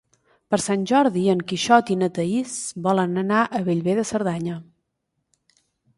Per Sant Jordi en Quixot i na Thaís volen anar a Bellver de Cerdanya.